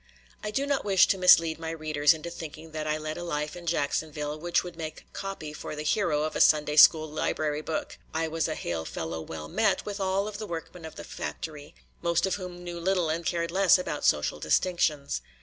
I do not wish to mislead my readers into thinking that I led a life in Jacksonville which would make copy for the hero of a Sunday school library book. I was a hail fellow well met with all of the workmen at the factory, most of whom knew little and cared less about social distinctions.